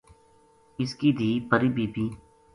اس کی دھِی پری بی بی